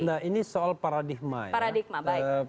nah ini soal paradigma ya paradigma baik